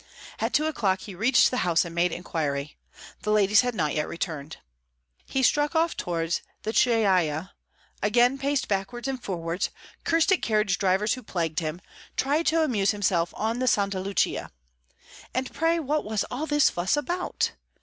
At two o'clock he reached the house and made inquiry. The ladies had not yet returned. He struck off towards the Chiaia, again paced backwards and forwards, cursed at carriage drivers who plagued him, tried to amuse himself on the Santa Lucia. And pray what was all this fuss about?